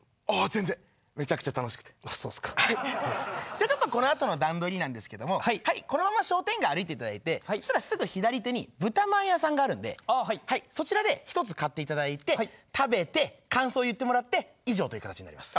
じゃあちょっとこのあとの段取りなんですけどもこのまま商店街歩いていただいてそしたらすぐ左手に豚まん屋さんがあるんでそちらで１つ買っていただいて食べて感想言ってもらって以上という形になります。